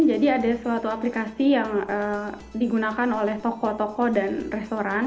jadi ada suatu aplikasi yang digunakan oleh toko toko dan restoran